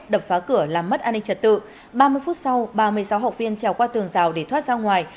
đập phá cửa làm mất an ninh trật tự ba mươi phút sau ba mươi sáu học viên trèo qua tường rào để thoát ra ngoài